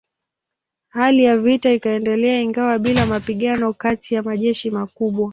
Hali ya vita ikaendelea ingawa bila mapigano kati ya majeshi makubwa.